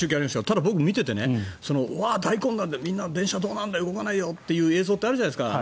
ただ、僕見ていて大混乱でみんな、電車動かないどうしようという映像があるじゃないですか。